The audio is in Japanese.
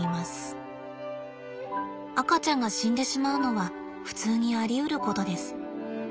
赤ちゃんが死んでしまうのは普通にありうることです。